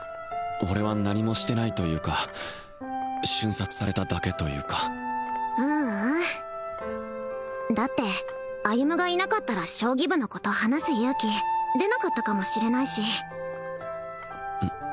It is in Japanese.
俺は何もしてないというか瞬殺されただけというかううんだって歩がいなかったら将棋部のこと話す勇気出なかったかもしれないしうん？